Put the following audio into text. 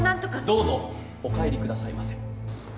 どうぞお帰りくださいませ。